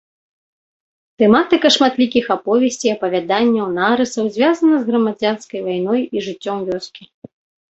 Тэматыка шматлікіх аповесцей, апавяданняў, нарысаў звязаная з грамадзянскай вайной і жыццём вёскі.